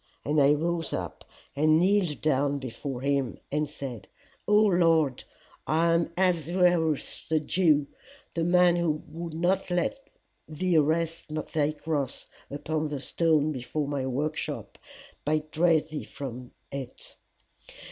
And I rose up, and kneeled down before him, and said, O Lord, I am Ahasuerus the Jew, the man who would not let thee rest thy cross upon the stone before my workshop, but drave thee from it.